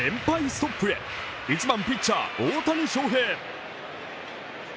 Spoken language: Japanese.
ストップへ１番ピッチャー・大谷翔平。